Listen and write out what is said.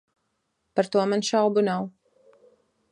Par to man šaubu nav.